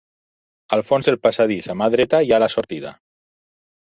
Al fons del passadís, a mà dreta hi ha la sortida.